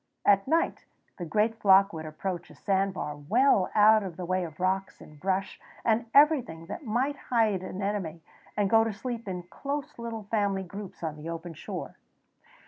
At night the great flock would approach a sandbar, well out of the way of rocks and brush and everything that might hide an enemy, and go to sleep in close little family groups on the open shore.